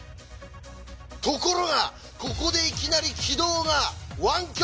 ところがここでいきなり軌道が湾曲！